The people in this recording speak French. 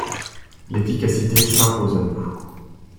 L’efficacité s’impose à nous.